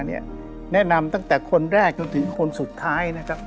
แนะนำตั้งแต่คนแรกจนถึงคนสุดท้ายนะครับ